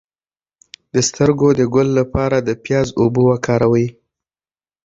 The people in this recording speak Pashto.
د سترګو د ګل لپاره د پیاز اوبه وکاروئ